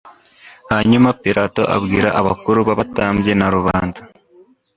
hanyuma pilato abwira abakuru b abatambyi na rubanda